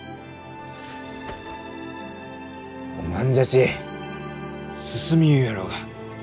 おまんじゃち進みゆうろうが。